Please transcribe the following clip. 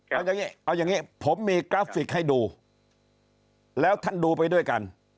เอาอย่างนี้เอาอย่างนี้ผมมีกราฟิกให้ดูแล้วท่านดูไปด้วยกัน